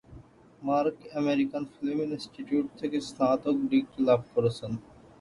Mark American Film Institute থেকে স্নাতক ডিগ্রি লাভ করেছেন।